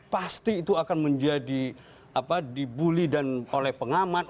pasti itu akan menjadi dibully oleh pengamat